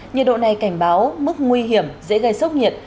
nhiệt độ này cảnh báo mức nguy hiểm dễ gây sốc nhiệt